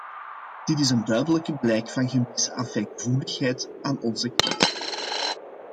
Dit is een duidelijke blijk van gemis aan fijngevoeligheid aan onze kant.